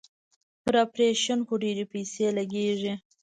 پر اپرېشن خو ډېرې پيسې لگېږي.